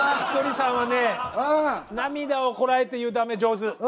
ひとりさんはね涙をこらえて言う「ダメ」上手。